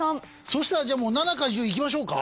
そしたら７か１０いきましょうか？